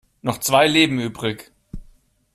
Noch zwei Leben übrig.